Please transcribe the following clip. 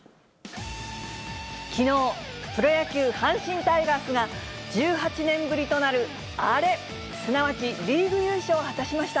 きのう、プロ野球・阪神タイガースが、１８年ぶりとなるアレ、すなわちリーグ優勝を果たしました。